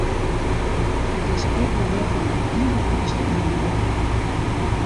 It is ek wol wer fan it iene uterste yn it oare.